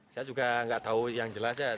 saya juga nggak tahu yang jelas ya